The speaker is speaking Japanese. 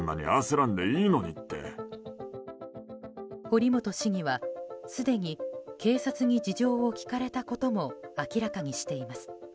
堀本市議はすでに警察に事情を聴かれたことも明らかにしています。